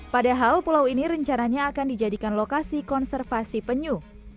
padahal pulau ini rencananya akan dijadikan lokasi konservasi penyu